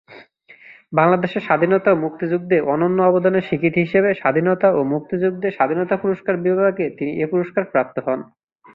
বাংলাদেশের স্বাধীনতা ও মুক্তিযুদ্ধে অনন্য অবদানের স্বীকৃতি হিসেবে স্বাধীনতা ও মুক্তিযুদ্ধে স্বাধীনতা পুরস্কার বিভাগে তিনি এ পুরস্কার প্রাপ্ত হন।